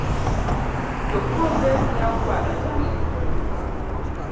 Jokuoge ne okualo jamni